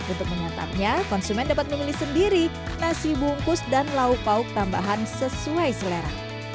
untuk menyantapnya konsumen dapat memilih sendiri nasi bungkus dan lauk pauk tambahan sesuai selera